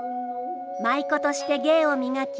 舞妓として芸を磨き